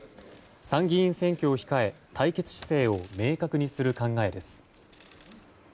参議院選挙を控え対決姿勢を明確にする考えです。